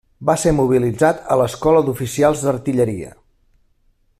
Va ser mobilitzat a l'Escola d'oficials d'artilleria.